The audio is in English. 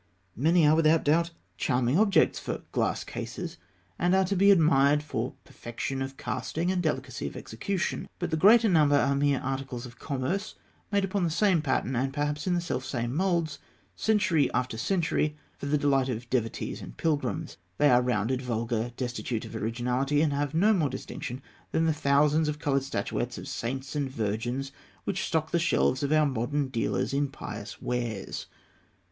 Many are, without doubt, charming objects for glass cases, and are to be admired for perfection of casting and delicacy of execution; but the greater number are mere articles of commerce, made upon the same pattern, and perhaps in the self same moulds, century after century, for the delight of devotees and pilgrims. They are rounded, vulgar, destitute of originality, and have no more distinction than the thousands of coloured statuettes of saints and Virgins which stock the shelves of our modern dealers in pious wares.